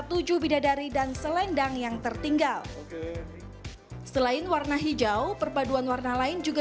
tujuh bidadari dan selendang yang tertinggal selain warna hijau perpaduan warna lain juga